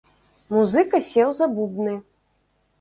Музыка сеў за бубны.